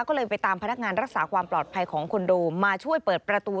ก็เลยไปตามพนักงานรักษาความปลอดภัยของคอนโดมาช่วยเปิดประตู